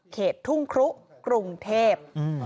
ทุ่งครุกรุงเทพ